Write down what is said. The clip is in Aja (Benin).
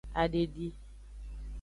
Adedi.